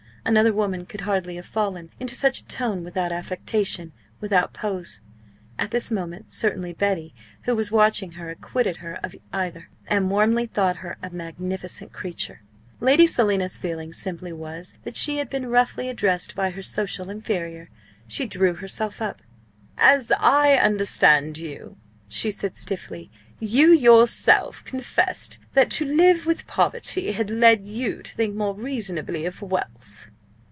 Another woman could hardly have fallen into such a tone without affectation without pose. At this moment certainly Betty, who was watching her, acquitted her of either, and warmly thought her a magnificent creature. Lady Selina's feeling simply was that she had been roughly addressed by her social inferior. She drew herself up. "As I understand you," she said stiffly, "you yourself confessed that to live with poverty had led you to think more reasonably of wealth."